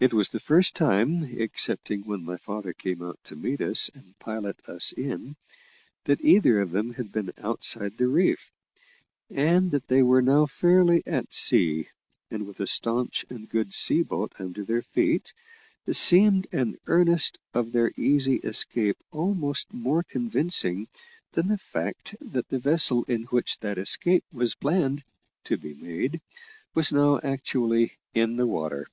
It was the first time, excepting when my father came out to meet us and pilot us in, that either of them had been outside the reef; and that they were now fairly at sea, and with a staunch and good sea boat under their feet, seemed an earnest of their easy escape almost more convincing than the fact that the vessel in which that escape was planned to be made was now actually in the water.